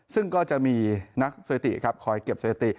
ซึ่งก็จะมีนักสถิติครับคอยเก็บสถิติ